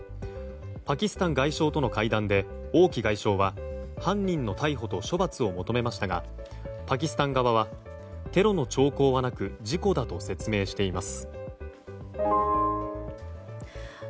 パキスタン外相との会談で王毅外相は犯人の逮捕と処罰を求めましたがパキスタン側はテロの兆候はなく事故だと説明しています。